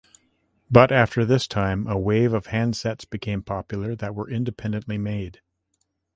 But after this time, a wave of handsets become popular that were independently made.